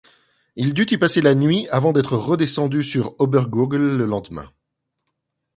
Il dut y passer la nuit avant d'être redescendu sur Obergurgl le lendemain.